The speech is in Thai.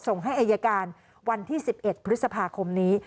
ส่งให้ไอยการวันที่สิบเอ็ดพฤษภาคมนี้